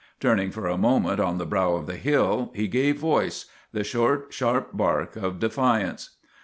Turning for a moment on the brow of the hill he gave voice the short, sharp bark of de fiance.